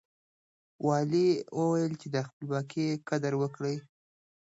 والي وويل چې د خپلواکۍ قدر وکړئ.